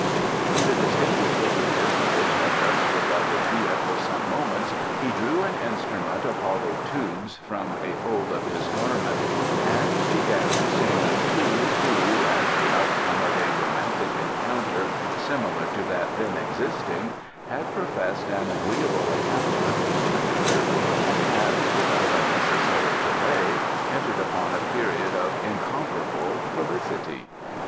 When the distinguished looking personage had thus regarded Hia for some moments he drew an instrument of hollow tubes from a fold of his garment and began to sing of two who, as the outcome of a romantic encounter similar to that then existing, had professed an agreeable attachment for one another and had, without unnecessary delay, entered upon a period of incomparable felicity.